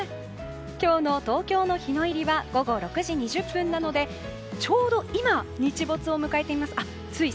今日の東京の日の入りは午後６時２０分なのでつい先ほど、日没を迎えています。